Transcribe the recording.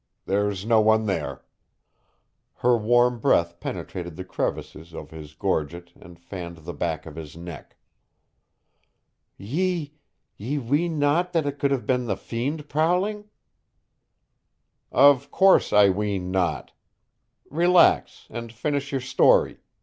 "There's no one there." Her warm breath penetrated the crevices of his gorget and fanned the back of his neck. "Ye ... ye ween not that it could have been the fiend prowling?" "Of course I ween not! Relax, and finish your story.